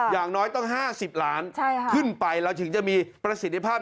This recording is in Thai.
อย่างน้อยต้อง๕๐ล้านขึ้นไปเราถึงจะมีประสิทธิภาพ